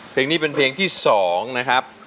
เพลงนี้เป็นเพลงที่๒นะครับ